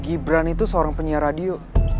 gibran itu seorang penyiar radio